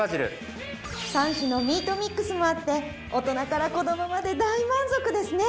３種のミートミックスもあって大人から子供まで大満足ですね！